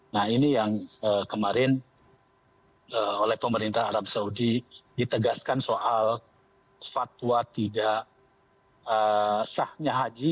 nah ini yang kemarin oleh pemerintah arab saudi ditegaskan soal fatwa tidak sahnya haji